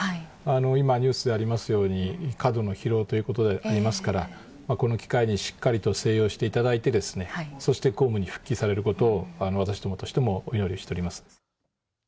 今、ニュースでありますように、過度の疲労ということでありますから、この機会にしっかりと静養していただいて、そして公務に復帰されることを、私どもとしてもお祈りしております。